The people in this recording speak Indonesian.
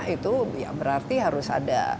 itu berarti harus ada